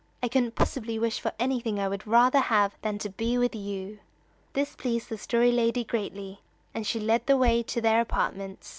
"I couldn't possibly wish for anything I would rather have than to be with you!" This pleased the Story Lady greatly, and she led the way to their apartments.